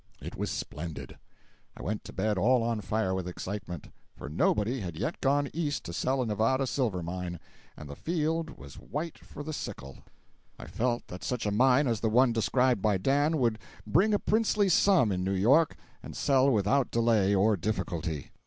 It was splendid. I went to bed all on fire with excitement; for nobody had yet gone East to sell a Nevada silver mine, and the field was white for the sickle. I felt that such a mine as the one described by Dan would bring a princely sum in New York, and sell without delay or difficulty.